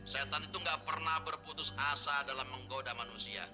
setan itu gak pernah berputus asa dalam menggoda manusia